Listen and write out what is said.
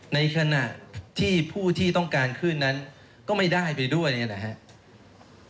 ในขณะที่ผู้ที่ต้องการขึ้นนั้นก็ไม่ได้ไปด้วยนะครับ